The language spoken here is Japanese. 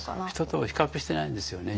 人と比較してないんですよね。